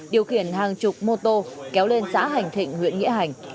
điều khiển hàng chục mô tô kéo lên xã hành thịnh huyện nghĩa hành